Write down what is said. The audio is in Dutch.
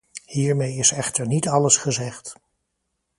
Hiermee is echter niet alles gezegd.